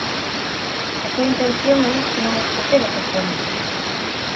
A súa intención é non esquecer o que somos.